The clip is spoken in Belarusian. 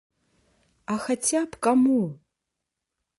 А хаця б каму!